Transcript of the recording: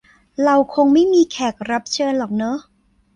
เราคงไม่มีแขกรับเชิญหรอกเนอะ